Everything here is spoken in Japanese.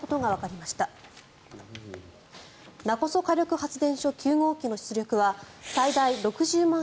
勿来火力発電所９号機の出力は最大６０万